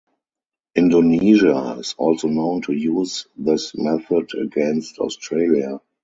Indonesia is also known to use this method against Australia.